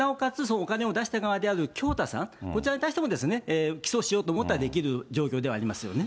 お金を出した側である京大さん、こちらに対しても起訴をしようと思ったらできる状況ではあります